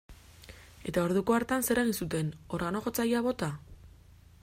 Eta orduko hartan zer egin zuten, organo-jotzailea bota?